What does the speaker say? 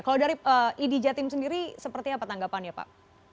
kalau dari id jatim sendiri seperti apa tanggapan ya pak